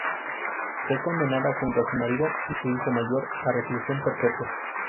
Fue condenada junto a su marido y su hijo mayor a reclusión perpetua.